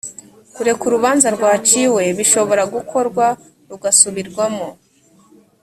kureka urubanza rwaciwe bishobora gukorwa rugasubirwamo